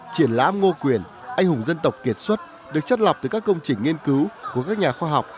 triển lãm ngô quyền anh hùng dân tộc kiệt xuất được chất lọc từ các công trình nghiên cứu của các nhà khoa học